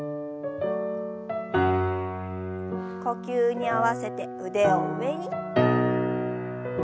呼吸に合わせて腕を上に。